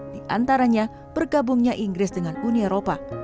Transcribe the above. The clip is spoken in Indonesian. diantaranya bergabungnya inggris dengan uni eropa